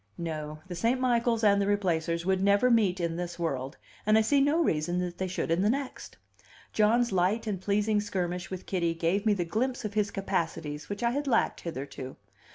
No; the St. Michaels and the Replacers would never meet in this world, and I see no reason that they should in the next. John's light and pleasing skirmish with Kitty gave me the glimpse of his capacities which I had lacked hitherto.